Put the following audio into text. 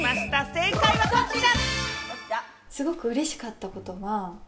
正解はこちら！